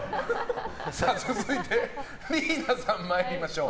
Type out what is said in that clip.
続いて、リイナさん参りましょう。